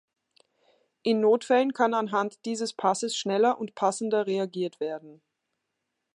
In Notfällen kann anhand dieses Passes schneller und passender reagiert werden.